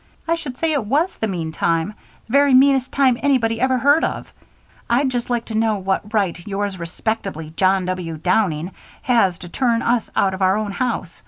"I should say it was the meantime the very meanest time anybody ever heard of. I'd just like to know what right 'Yours respectably John W. Downing' has to turn us out of our own house.